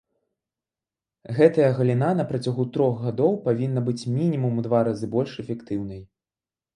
Гэтая галіна на працягу трох гадоў павінна быць мінімум у два разы больш эфектыўнай.